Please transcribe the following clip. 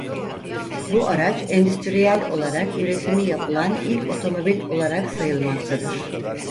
Bu araç endüstriyel olarak üretimi yapılan ilk otomobil olarak sayılmaktadır.